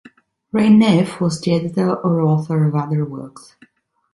Ray Neff was the editor or author of other works.